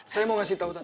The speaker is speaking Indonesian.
saya mau kasih tau tante